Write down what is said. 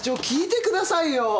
聞いてくださいよ。